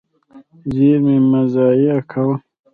زیرمې مه ضایع کوه.